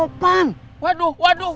apa ada kaitannya dengan hilangnya sena